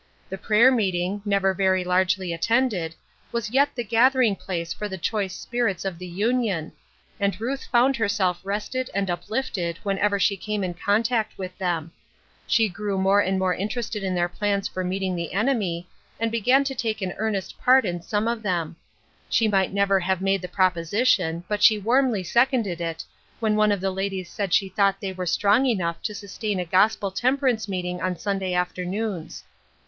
The prayer meeting, never very largely attended, was yet the gathering place for the choice spirits of the Union, and Ruth found herself rested and uplifted when ever she came in contact with them. She grew more and more interested in their plans for meet THE WISDOM OF THIS WORLD. 1 55 ing the enemy, and began to take an earnest part in some of them. She might never have made the proposition, but she warmly seconded it, when one of the ladies said she thought they were strong enough to sustain a gospel temperance meeting on Sunday afternoons.